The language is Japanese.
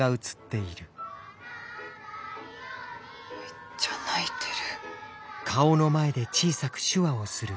めっちゃ泣いてる。